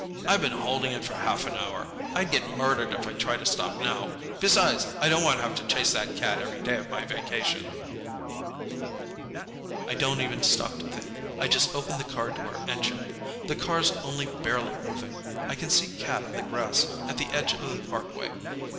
"I've been holding it for half an hour. I'd get murdered if I tried to stop now. Besides, I don't want to chase that cat every day of my vacation." I don't even stop to think. I just open the car door and jump. The car's only barely moving. I can see Cat on the grass at the edge of the parkway.